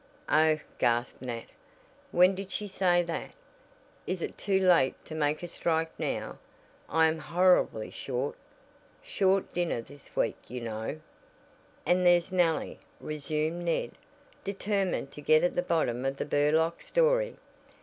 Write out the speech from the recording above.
"Oh," gasped Nat, "when did she say that? Is it too late to make a strike now? I am horribly short shore dinner this week you know." "And there's Nellie," resumed Ned, determined to get at the bottom of the Burlock story.